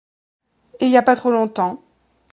Et y'a pas trop longtemps.